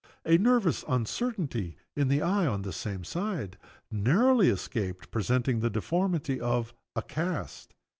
A nervous uncertainty in the eye on the same side narrowly escaped presenting the deformity of a "cast."